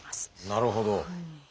なるほど。